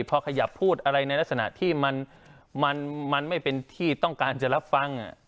พอขยับพูดอะไรในลักษณะที่มันไม่เป็นที่ต้องการจะรับฟัง